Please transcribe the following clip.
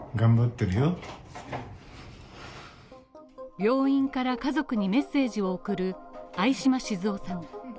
病院から家族にメッセージを送る相嶋静夫さん。